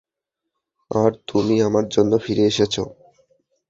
আর তুমি আমার জন্য ফিরে এসেছ।